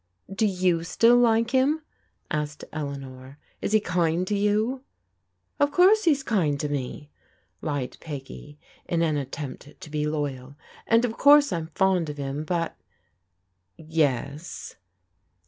" Do you still like him? " asked Eleanor. " Is he kind to you ?"Of course he's kind to me," lied Peggy in an attempt to be loyal, " and of course I'm fond of him, but " "Yes?"